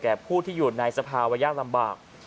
ผู้ที่อยู่ในสภาวะยากลำบาก